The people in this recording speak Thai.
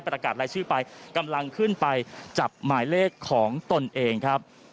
ประกาศรายชื่อไปกำลังขึ้นไปจับหมายเลขของตนเองครับ